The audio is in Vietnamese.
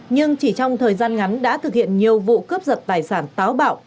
nhưng chỉ trong thời gian ngắn đã thực hiện nhiều vụ cướp giật tài sản táo bạo